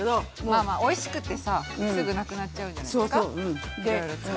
まあまあおいしくってさすぐなくなっちゃうんじゃないですか。